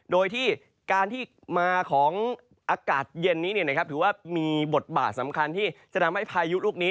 โดยที่การที่มาของอากาศเย็นนี้ถือว่ามีบทบาทสำคัญที่จะทำให้พายุลูกนี้